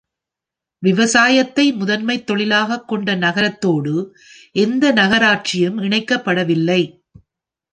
விவசாயத்தை முதன்மைத் தொழிலாகக் கொண்ட நகரத்தோடு எந்த நகராட்சியும் இணைக்கப்படவில்லை.